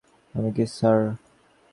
আমি কি স্যার আপনার সঙ্গে আসব?